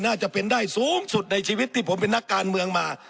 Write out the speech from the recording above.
น่าจะเป็นได้สูงสุดในชีวิตที่ผมเป็นนักการเมืองมา